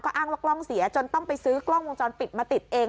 อ้างว่ากล้องเสียจนต้องไปซื้อกล้องวงจรปิดมาติดเอง